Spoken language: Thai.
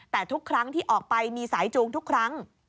แต่ทุกครั้งที่ออกไปมีสายจูงทุกครั้ง